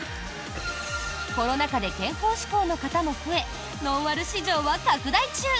コロナ禍で健康志向の方も増えノンアル市場は拡大中。